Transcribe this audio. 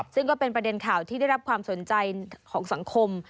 ซึ่งก็เป็นประเด็นข่าวที่ได้รับความสนใจของสังคม